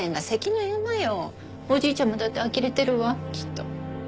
おじいちゃまだってあきれてるわきっと。